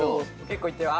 結構行ってる。